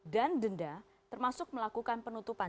dan denda termasuk melakukan penutupan